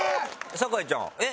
酒井ちゃんえっ？